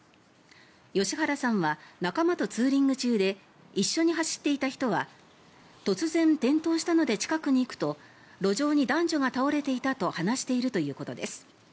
吉原さんは仲間とツーリング中で一緒に走っていた人は突然、転倒したので近くに行くと路上に男女が倒れていたと話しているということです。